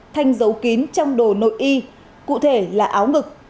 thanh dấu kín trong đồ nội y cụ thể là áo ngực